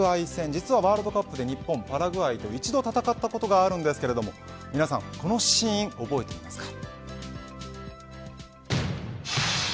実はワールドカップで日本、パラグアイと一度戦ったことがあるんですけれども皆さんこのシーン覚えていますか。